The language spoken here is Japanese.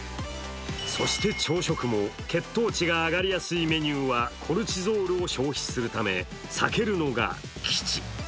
そして朝食も血糖値が上がりやすいメニューはコルチゾールを消費するため避けるのが吉。